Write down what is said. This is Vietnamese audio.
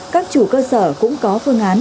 các chủ cơ sở cũng có phương án